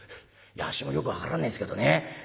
「あっしもよく分からねえですけどね